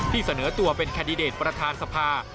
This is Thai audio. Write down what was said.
เสนอตัวเป็นแคนดิเดตประธานสภา